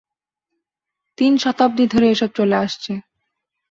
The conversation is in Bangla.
তিন শতাব্দী ধরে এসব চলে আসছে।